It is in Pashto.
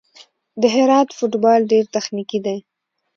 د هرات فوټبال ډېر تخنیکي دی.